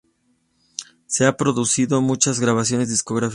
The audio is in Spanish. Se han producido muchas grabaciones discográficas.